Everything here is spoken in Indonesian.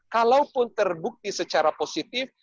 kalaupun terbukti secara positif